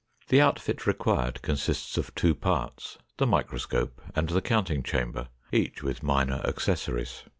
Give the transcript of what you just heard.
The outfit required consists of two parts, the microscope and the counting chamber, each with minor accessories.